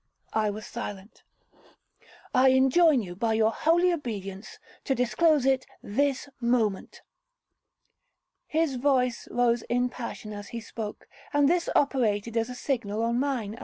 '—I was silent.—'I enjoin you, by your holy obedience, to disclose it this moment.'—His voice rose in passion as he spoke, and this operated as a signal on mine.